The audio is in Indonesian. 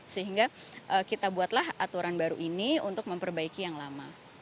sehingga kita buatlah aturan baru ini untuk memperbaiki yang lama